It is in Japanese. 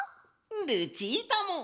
ルチータも！